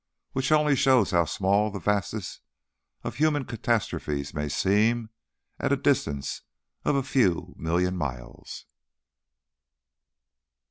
Which only shows how small the vastest of human catastrophes may seem, at a distance of a few million miles.